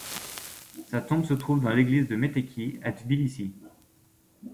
Sa tombe se trouve dans l'église de Metekhi à Tbilissi.